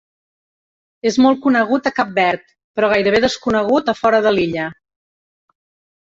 És molt conegut a Cap Verd, però gairebé desconegut a fora de l'illa.